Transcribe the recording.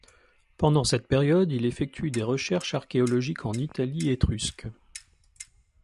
Pendant cette période, il effectue des recherches archéologiques en Italie étrusque.